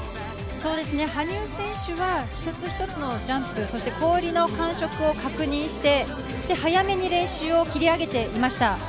羽生選手は一つ一つのジャンプ、そして氷の感触を確認して早めに練習を切り上げていました。